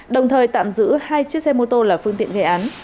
đồng thời tạm giữ hai chiếc xe mô tô là phương tiện gây án